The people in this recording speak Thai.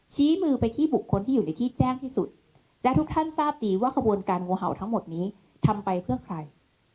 ชี้มือไปที่บุคคลที่อยู่ในที่แจ้งที่สุดและทุกท่านทราบดีว่าขบวนการงูเห่าทั้งหมดนี้ทำไปเพื่อใคร